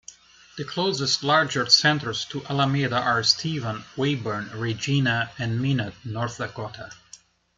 The closest larger centres to Alameda are Estevan, Weyburn, Regina, and Minot, North Dakota.